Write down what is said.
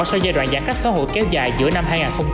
sau giai đoạn giãn cách xã hội kéo dài giữa năm hai nghìn hai mươi